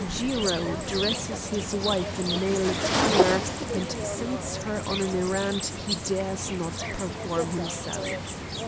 Jiro dresses his wife in male attire and sends her on an errand he dare not perform himself.